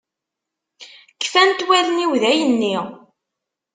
Kfan-t wallen-iw dayen-nni.